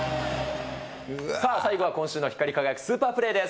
さあ、最後は今週の光輝くスーパープレーです。